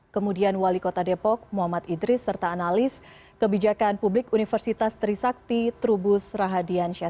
kemudian wali kota depok muhammad idris serta analis kebijakan publik universitas trisakti trubus rahadiansyah